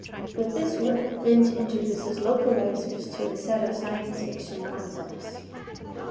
With this work, Vinge introduces "localizers" to his set of science-fiction concepts.